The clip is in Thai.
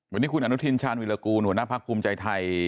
วันนี้คุณอนุทินชาญวิรากูลหัวหน้าพักภูมิใจไทย